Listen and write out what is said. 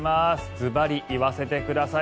ズバリ言わせてください。